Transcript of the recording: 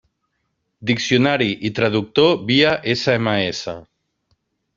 Diccionari i traductor via SMS.